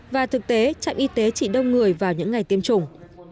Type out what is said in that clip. và thực tế trạm y tế chỉ đông người vào những ngày tiêm chủng